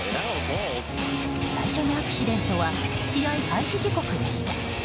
最初のアクシデントは試合開始時刻でした。